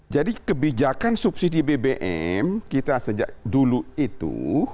jadi kebijakan subsidi bbm kita sejak dulu itu